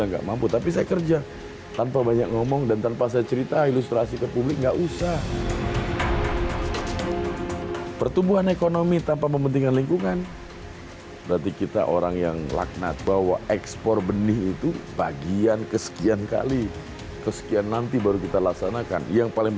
kami akan segera kembali sesaat lain